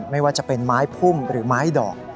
ไม่ว่าจะเป็นไม้พุ่มหรือไม้ดอก